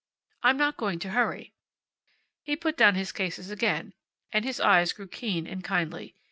I'm not going to hurry." He put down his cases again, and his eyes grew keen and kindly.